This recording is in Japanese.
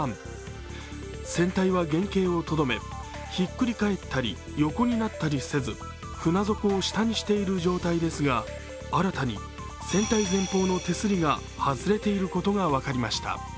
船体は原形をとどめひっくり返ったり、横になったりせず船底を下にしている状態ですが、新たに船体前方の手すりが外れていることが分かりました。